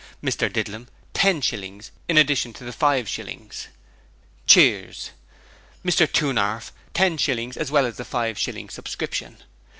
Mr Didlum, ten shillings in addition to the five shillings. (Cheers.) Mr Toonarf, ten shillings as well as the five shilling subscription.